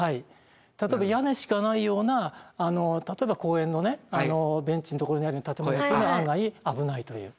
例えば屋根しかないような例えば公園のベンチのところにある建物っていうのは案外危ないという。